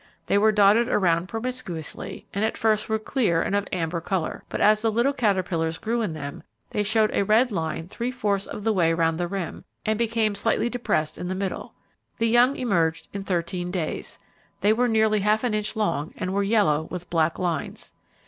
They were dotted around promiscuously, and at first were clear and of amber colour, but as the little caterpillars grew in them, they showed a red line three fourths of the way around the rim, and became slightly depressed in the middle. The young emerged in thirteen days. They were nearly half an inch long, and were yellow with black lines.